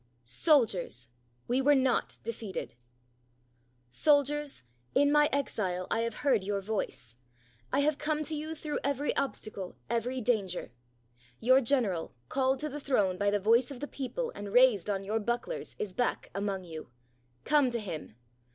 ] Soldiers ! we were not defeated ! Soldiers ! In my exile I have heard your voice. I have come to you through every obstacle, every danger. Your general, called to the throne by the voice of the people and raised on your bucklers, is back among you; come to him